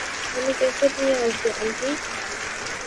আমি ক্যাসেট নিয়ে আসবো, আন্টি।